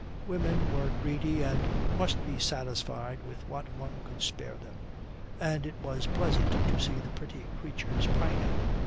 Women were greedy and must be satisfied with what one could spare them. And it was pleasant to see the pretty creatures pining.